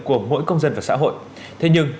của mỗi công dân và xã hội thế nhưng